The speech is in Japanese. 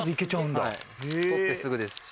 採ってすぐですし。